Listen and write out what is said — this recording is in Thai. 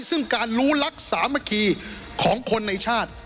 ซึ่งการรู้รักสามัคคีของคนในชาติ